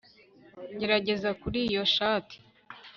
Gerageza kuri iyo shati